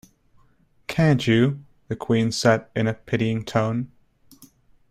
‘Can’t you?’ the Queen said in a pitying tone.